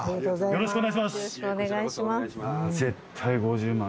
よろしくお願いします。